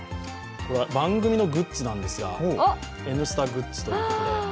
これは番組のグッズなんですが「Ｎスタ」グッズということで。